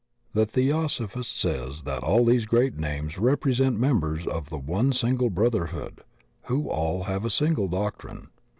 The Theosophist says that all these great names rep resent members of the one single brotherhood, who all have a single doctrine.